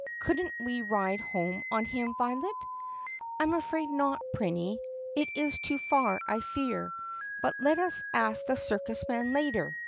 "Could n't we ride home on him, Violet?" "I am afraid not, Prinny. It is too far, I fear. But let us ask the circus man later.